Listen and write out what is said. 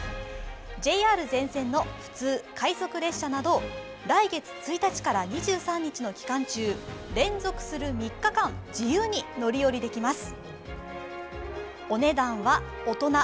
ＪＲ全線の普通・快速列車など、来月１日から２３日の期間中、連続する３日間、自由に乗り降りできます。